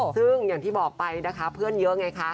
ซึ่งอย่างที่บอกไปนะคะเพื่อนเยอะไงคะ